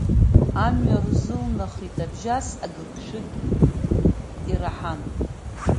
Амҩа рзылнахит абжьас, агыгшәыг ираҳан.